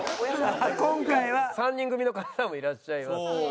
今回は３人組の方もいらっしゃいますんで。